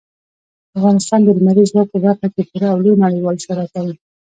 افغانستان د لمریز ځواک په برخه کې پوره او لوی نړیوال شهرت لري.